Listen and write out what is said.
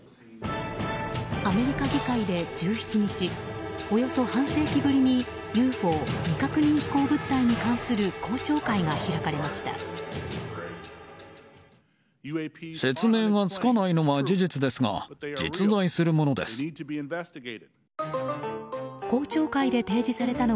アメリカ議会で１７日およそ半世紀ぶりにＵＦＯ・未確認飛行物体に関する公聴会が開かれました。